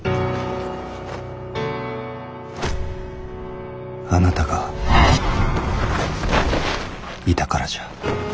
心の声あなたがいたからじゃ。